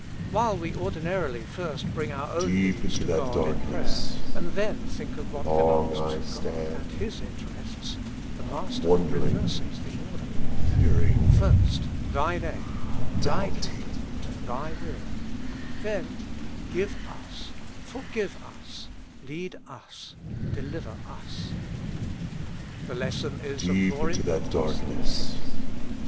While we ordinarily first bring our own needs to God in prayer, and then think of what belongs to God and His interests, the Master reverses the order. First, Thy name, Thy kingdom, Thy will : then, give ics^ forgive us^ lead 3 33 With Christ in the School of Prayer. us, dehver 21s. The lesson is of more importance than we think.